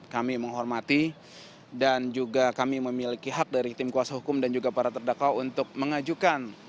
kami menghormati dan juga kami memiliki hak dari tim kuasa hukum dan juga para terdakwa untuk mengajukan